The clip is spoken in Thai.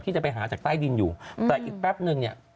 จะไปหาจากใต้ดินอยู่แต่อีกแป๊บนึงเนี่ย